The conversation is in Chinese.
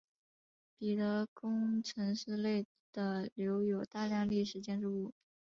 彼得宫城市内的留有大量历史建筑物。